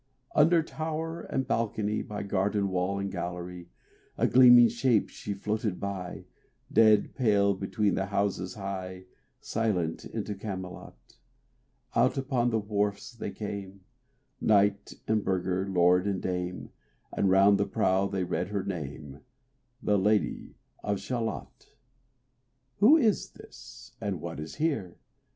RAINBOW GOLD Under tower and balcony, By garden wall and gallery, A gleaming shape she floated by, Dead pale between the houses high, Silent into Camelot. Out upon the wharfs they came, Knight and burgher, lord and dame, And round the prow they read her name, The Lady of Shalott. Who is this? and what is here?